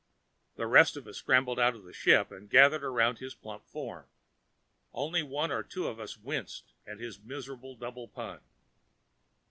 The rest of us scrambled out of the ship and gathered around his plump form. Only one or two of us winced at his miserable double pun.